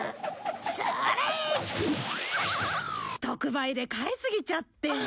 特売で買いすぎちゃって。